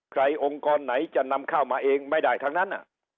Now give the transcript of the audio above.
องค์กรไหนจะนำเข้ามาเองไม่ได้ทั้งนั้น